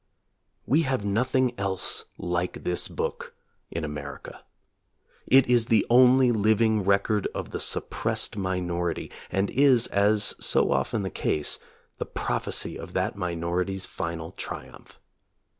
/We have nothing else like this book in Amer ica. It is the only living record of the suppressed minority, and is, as so often the case, the prophecy of that minority's final triumph.